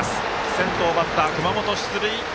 先頭バッター、熊本出塁。